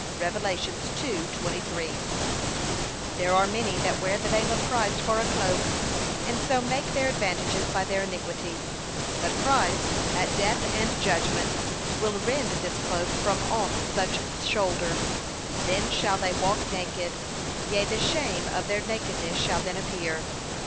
(Rev. 2:23) There are many that wear the name of Christ for a cloak, and so make their advantages by their iniquity; but Christ, at death and judgment, will rend this cloak from off such shoulders, then shall they walk naked, yea, the shame of their nakedness shall then appear.